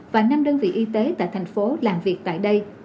và năm đơn vị y tế tại thành phố làm việc tại đây